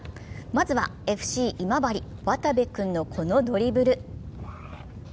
まずはＦＣ今治、渡部君のこのドリブル。